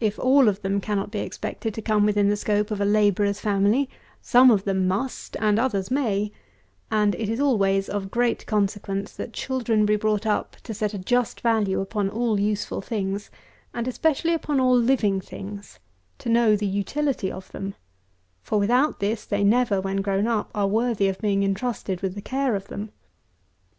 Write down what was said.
If all of them cannot be expected to come within the scope of a labourer's family, some of them must, and others may: and it is always of great consequence, that children be brought up to set a just value upon all useful things, and especially upon all living things; to know the utility of them: for, without this, they never, when grown up, are worthy of being entrusted with the care of them.